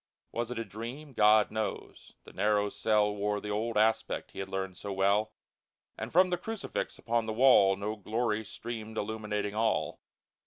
Was it a dream ? GOD knows ! The narrow cell Wore the old aspect he had learned so well, And from the crucifix upon the wall No glory streamed illuminating all